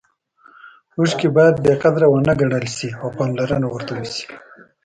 اوښکې باید بې قدره ونه ګڼل شي او پاملرنه ورته وشي.